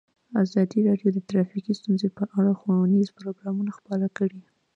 ازادي راډیو د ټرافیکي ستونزې په اړه ښوونیز پروګرامونه خپاره کړي.